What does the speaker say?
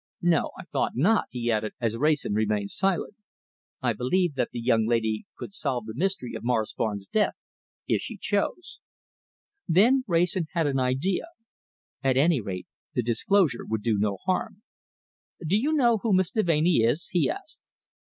No! I thought not," he added, as Wrayson remained silent. "I believe that that young lady could solve the mystery of Morris Barnes' death, if she chose." Then Wrayson had an idea. At any rate, the disclosure would do no harm. "Do you know who Miss Deveney is?" he asked.